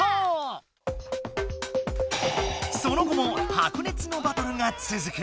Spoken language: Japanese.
その後も白熱のバトルがつづく。